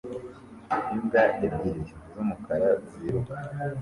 Imbwa ebyiri z'umukara ziruka